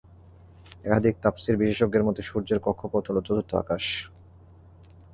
একাধিক তাফসীর বিশেষজ্ঞের মতে, সূর্যের কক্ষ পথ হলো চতুর্থ আকাশ।